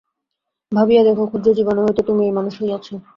ভাবিয়া দেখ, ক্ষুদ্র জীবাণু হইতে তুমি এই মানুষ হইয়াছ।